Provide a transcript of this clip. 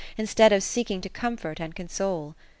instead of seeking to comfort and console.